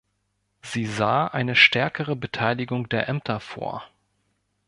Sie sah eine stärkere Beteiligung der Ämter vor.